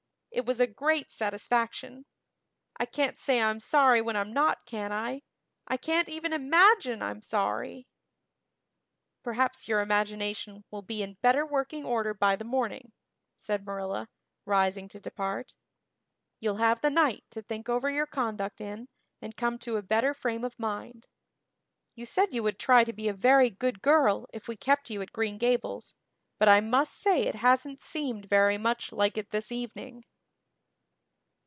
It was a great satisfaction. I can't say I'm sorry when I'm not, can I? I can't even imagine I'm sorry." "Perhaps your imagination will be in better working order by the morning," said Marilla, rising to depart. "You'll have the night to think over your conduct in and come to a better frame of mind. You said you would try to be a very good girl if we kept you at Green Gables, but I must say it hasn't seemed very much like it this evening."